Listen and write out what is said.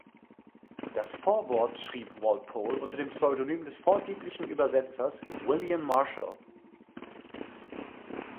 Das Vorwort schrieb Walpole unter dem Pseudonym des vorgeblichen Übersetzers William Marshal.